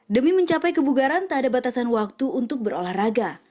demi mencapai kebugaran tak ada batasan waktu untuk berolahraga